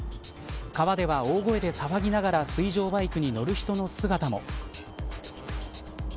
川では大声で騒ぎながら水上バイクに乗る人の姿も。